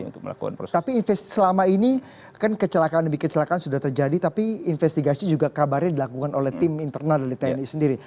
tapi selama ini kan kecelakaan demi kecelakaan sudah terjadi tapi investigasi juga kabarnya dilakukan oleh tim internal dari tni sendiri